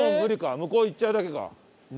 向こう行っちゃうだけか。